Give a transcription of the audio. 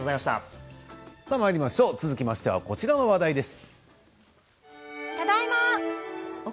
続きましてこちらの話題です。